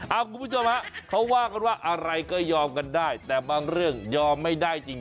คุณผู้ชมฮะเขาว่ากันว่าอะไรก็ยอมกันได้แต่บางเรื่องยอมไม่ได้จริง